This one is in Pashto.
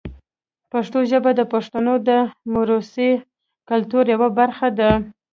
پښتو ژبه د پښتنو د موروثي کلتور یوه برخه ده.